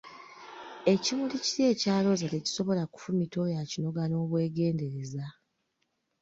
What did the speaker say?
Ekimuli kiri ekya Looza tekisobola kufumita oyo akinoga n'obwegendereza !